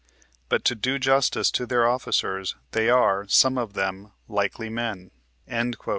But to do justice to their officers, they are, some of them, likely men.'' — 31.